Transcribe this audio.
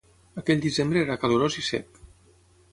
Aquell desembre era calorós i sec.